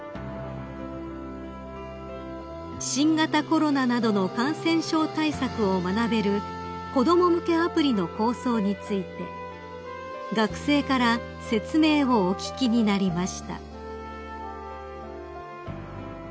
［新型コロナなどの感染症対策を学べる子供向けアプリの構想について学生から説明をお聞きになりました］